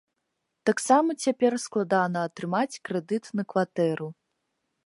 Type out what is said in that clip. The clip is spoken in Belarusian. Таксама цяпер складана атрымаць крэдыт на кватэру.